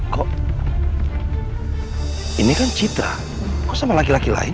kok ini kan citra kok sama laki laki lain